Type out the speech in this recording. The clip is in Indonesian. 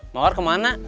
mauar ke mana